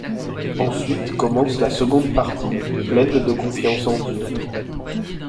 Ensuite commence la seconde partie, pleine de confiance en Dieu.